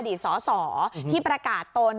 อดีตสอที่ประกาศตน